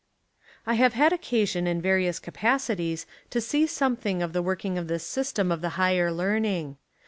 I have had occasion in various capacities to see something of the working of this system of the higher learning.